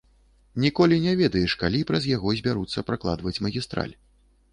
Ніколі не ведаеш, калі праз яго збяруцца пракладваць магістраль.